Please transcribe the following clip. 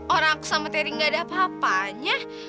orang aku sama terry gak ada apa apanya